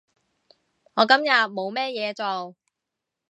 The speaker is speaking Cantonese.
我今日冇咩嘢做